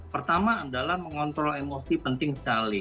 pertama adalah mengontrol emosi penting sekali